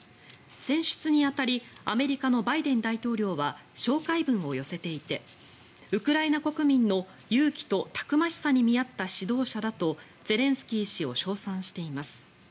選出に当たりアメリカのバイデン大統領は紹介文を寄せていてウクライナ国民の勇気とたくましさに見合った指導者だとゼレンスキー氏を称賛しています。